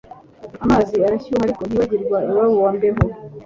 amazi arashyuha aliko ntiyibagirrwa iwabo wa mbeho